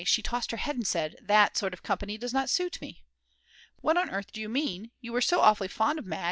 she tossed her head and said: "That sort of company does not suit me." "What on earth do you mean, you were so awfully fond of Mad.